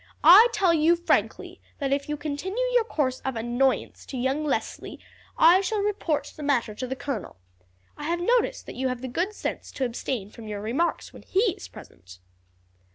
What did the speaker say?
I tell you frankly, that if you continue your course of annoyance to young Leslie I shall report the matter to the colonel. I have noticed that you have the good sense to abstain from your remarks when he is present."